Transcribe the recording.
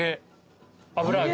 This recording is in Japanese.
油揚げ。